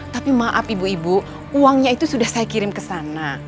tapi maaf ibu ibu uangnya itu sudah saya kirim ke sana